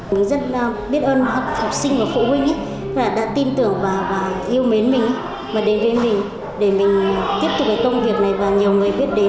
mình rất biết ơn học sinh và phụ huynh đã tin tưởng và yêu mến mình và đến với mình để mình tiếp tục cái công việc này và nhiều người biết đến